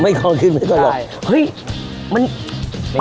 ไม่ควรขึ้นไม่ควรหลงใช่เฮ้ยมันเป็นไงบ้างครับ